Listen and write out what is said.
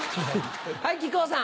はい木久扇さん。